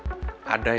ada ya musimnya